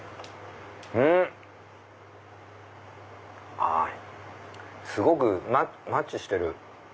あすごくマッチしてる。